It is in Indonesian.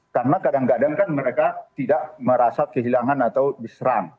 karena kadang kadang kan mereka tidak merasa kehilangan atau diserang